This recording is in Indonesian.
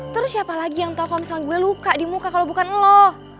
terus siapa lagi yang tahu kalau misalnya gue luka di muka kalau bukan lo